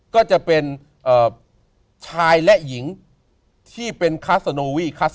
ก็จะเป็นชายและหญิงที่เป็นคาซโซโนวา